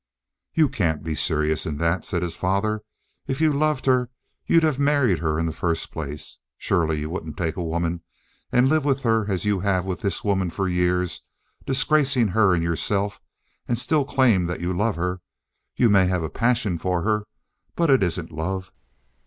"You can't be serious in that," said his father. "If you had loved her, you'd have married her in the first place. Surely you wouldn't take a woman and live with her as you have with this woman for years, disgracing her and yourself, and still claim that you love her. You may have a passion for her, but it isn't love."